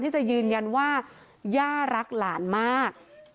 จะยืนยันว่าย่ารักหลานมาก